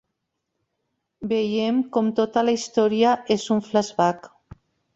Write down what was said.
Veiem com tota la història és un flashback.